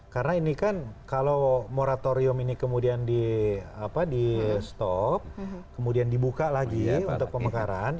karena ini kan kalau moratorium ini kemudian di stop kemudian dibuka lagi untuk pemekaran